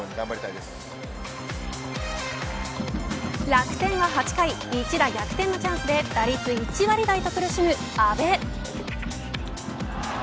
楽天は８回一打逆転のチャンスで打率１割台と苦しむ阿部。